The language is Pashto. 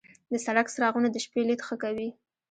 د سړک څراغونه د شپې لید ښه کوي.